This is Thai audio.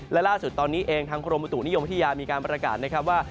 และล่าสุดตอนนี้เองทางกรมบุตุนิยมวิทยามีการประกาศนะครับว่า